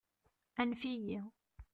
Anef-iyi!